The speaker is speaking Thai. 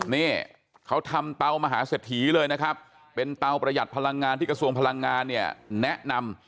นี่เขาทำเตามหาเศรษฐีเลยนะครับเป็นเตาประหยัดพลังงานที่กระทรวงพลังงานเนี่ยแนะนำ